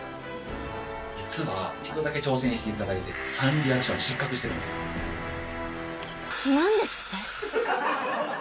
実は１度だけ挑戦していただいて、３リアクションで失格しているんなんですって？